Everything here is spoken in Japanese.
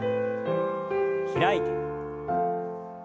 開いて。